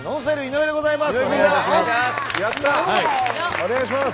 お願いします！